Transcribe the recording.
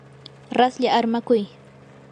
raslla armakuy.